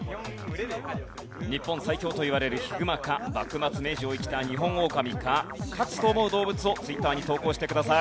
日本最強といわれるヒグマか幕末・明治を生きたニホンオオカミか勝つと思う動物をツイッターに投稿してください。